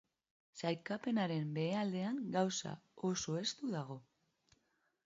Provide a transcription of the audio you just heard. Sailkapenaren behealdean gauza oso estu dago.